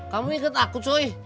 kamu inget aku cuy